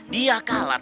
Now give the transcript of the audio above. dia kalah taruhan